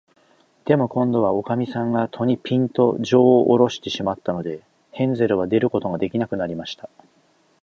でも、こんどは、おかみさんが戸に、ぴんと、じょうをおろしてしまったので、ヘンゼルは出ることができなくなりました。